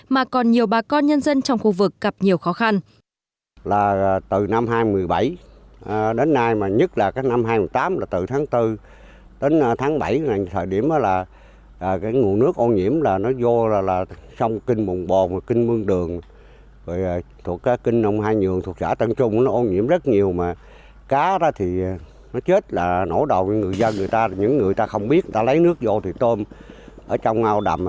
mà còn nhiều bà con nhân dân trong khu vực gặp nhiều khó khăn